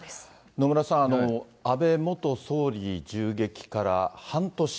野村さん、安倍元総理銃撃から半年。